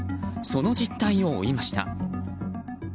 その実態を追いました。